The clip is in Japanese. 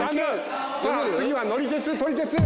さあ次は乗り鉄・撮り鉄。